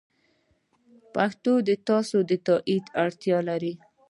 پښتو د تاسو د تایید اړتیا لري.